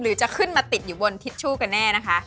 จะขึ้นมาติดอยู่บนทิชชู่กันแน่นะคะ